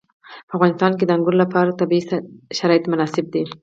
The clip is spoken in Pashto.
په افغانستان کې د انګور لپاره طبیعي شرایط مناسب دي.